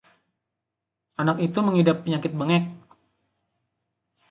anak itu mengidap penyakit bengek